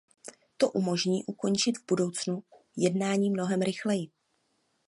To umožní ukončit v budoucnu jednání mnohem rychleji.